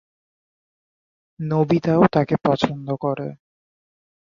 নোবিতা-ও তাকে পছন্দ করে।